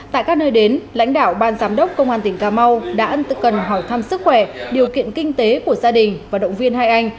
tại các nơi đến lãnh đạo ban giám đốc công an tỉnh cà mau đã cần hỏi thăm sức khỏe điều kiện kinh tế của gia đình và động viên hai anh